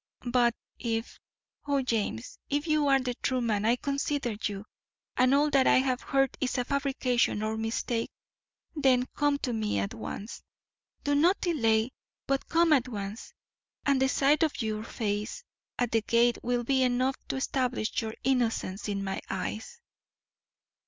But if O James, if you are the true man I consider you, and all that I have heard is a fabrication or mistake, then come to me at once; do not delay, but come at once, and the sight of your face at the gate will be enough to establish your innocence in my eyes.